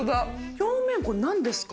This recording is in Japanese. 表面、これ、なんですか？